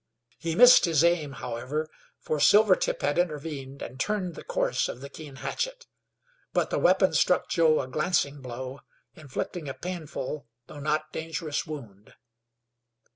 He missed his aim, however, for Silvertip had intervened and turned the course of the keen hatchet. But the weapon struck Joe a glancing blow, inflicting a painful, though not dangerous wound.